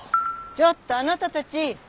ちょっとあなたたち！